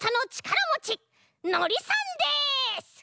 のりさんです！